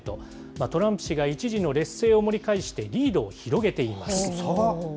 トランプ氏が一時の劣勢を盛り返してリードを広げています。